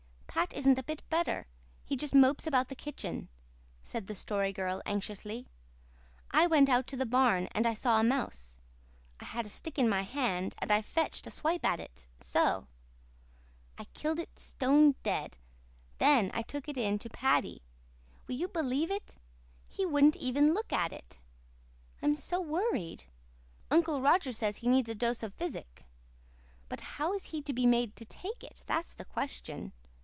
"Pat isn't a bit better. He just mopes about the kitchen," said the Story Girl anxiously. "I went out to the barn and I saw a mouse. I had a stick in my hand and I fetched a swipe at it so. I killed it stone dead. Then I took it in to Paddy. Will you believe it? He wouldn't even look at it. I'm so worried. Uncle Roger says he needs a dose of physic. But how is he to be made take it, that's the question.